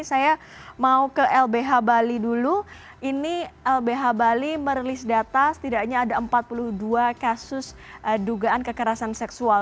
saya mau ke lbh bali dulu ini lbh bali merilis data setidaknya ada empat puluh dua kasus dugaan kekerasan seksual